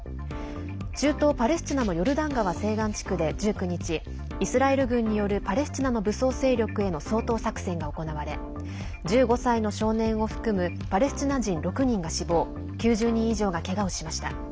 中東パレスチナのヨルダン川西岸地区で１９日イスラエル軍によるパレスチナの武装勢力への掃討作戦が行われ１５歳の少年を含むパレスチナ人６人が死亡９０人以上がけがをしました。